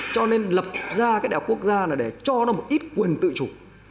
cho nên lập ra cái đại học quốc gia là để cho nó một ít quyền tự chủ